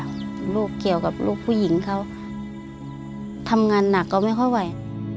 ลูกเกี่ยวกับลูกผู้หญิงเขาทำงานหนักก็ไม่ค่อยไหว